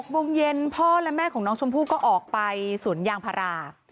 โมงเย็นพ่อและแม่ของน้องชมพู่ก็ออกไปสวนยางพารา